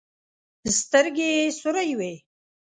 سترګې يې سورې وې.